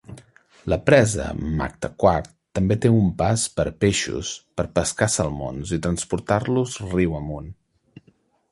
La presa Mactaquac també té un pas per a peixos per pescar salmons i transportar-los riu amunt.